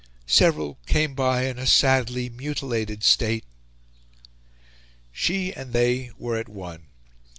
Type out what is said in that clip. Several came by in a sadly mutilated state." She and they were at one.